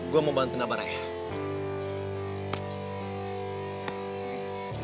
gue mau bantu nabaraya